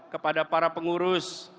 kepada para pengurus